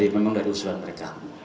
memang dari usulan mereka